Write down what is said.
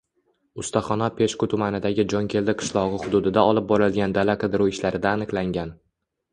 Ustaxona Peshku tumanidagi Jonkeldi qishlog‘i hududida olib borilgan dala-qidiruv ishlarida aniqlangan